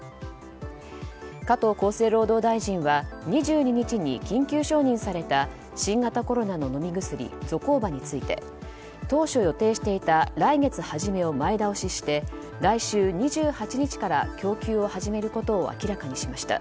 加藤厚生労働大臣は２２日に緊急承認された新型コロナの飲み薬ゾコーバについて当初予定していた来月初めを前倒しして来週２８日から供給を始めることを明らかにしました。